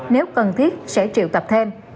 nếu cần thiết sẽ triệu tập thêm